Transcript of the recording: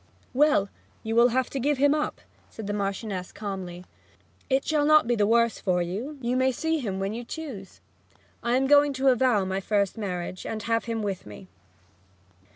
'Well, you will have to give him up,' said the Marchioness calmly. 'It shall not be the worse for you you may see him when you choose. I am going to avow my first marriage, and have him with me.'